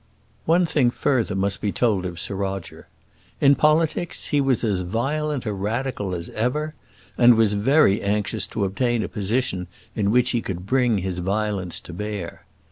One thing further must be told of Sir Roger. In politics he was as violent a Radical as ever, and was very anxious to obtain a position in which he could bring his violence to bear.